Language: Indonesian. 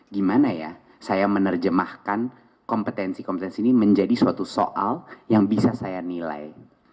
gimana ya saya menerjemahkan kompetensi kompetensi ini menjadi suatu soal yang bisa saya nilai